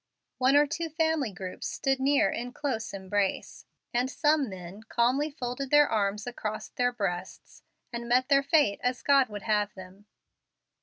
One or two family groups stood near in close embrace, and some men calmly folded their arms across their breasts, and met their fate as God would have them.